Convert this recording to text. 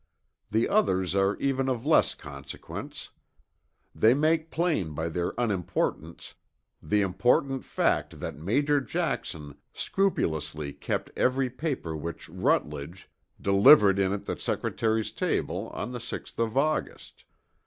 The others are even of less consequence. They make plain by their unimportance the important fact that Major Jackson scrupulously kept every paper which Rutledge "delivered in at the Secretary's table" on the 6th of August.